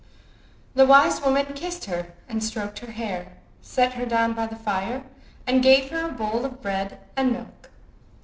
The wise woman kissed her and stroked her hair, set her down by the fire, and gave her a bowl of bread and milk.